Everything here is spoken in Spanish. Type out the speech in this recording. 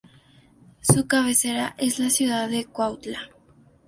Su cabecera es la ciudad de Cuautla.